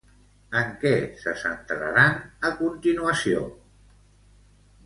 En què se centraran a continuació?